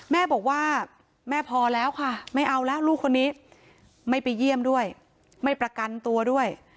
แม่บอกว่าแม่พอแล้วค่ะไม่เอาแล้วลูกคนนี้ไม่ไปเยี่ยมด้วยไม่ประกันตัวด้วย